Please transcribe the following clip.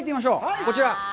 こちら。